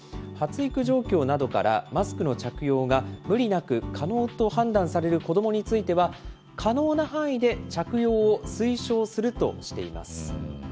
発育状況などからマスクの着用が無理なく可能と判断される子どもについては、可能な範囲で着用を推奨するとしています。